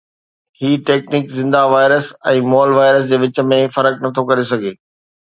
هي technique زنده virus ۽ مئل virus جي وچ ۾ فرق نٿو ڪري سگهي